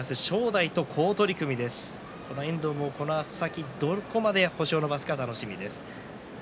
この遠藤、この先どこまで星を伸ばすのか楽しみです。